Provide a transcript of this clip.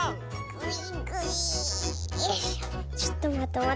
ぐい。